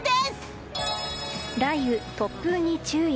雷雨・突風に注意。